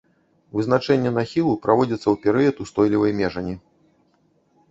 Вызначэнне нахілу праводзіцца у перыяд устойлівай межані.